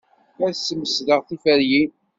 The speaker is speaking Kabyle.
Ad smesdeɣ tiferyin.